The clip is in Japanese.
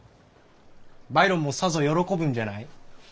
バイロンもさぞ喜ぶんじゃない？